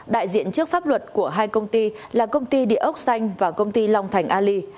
đại diện trước pháp luật của hai công ty là công ty địa ốc xanh và công ty long thành ali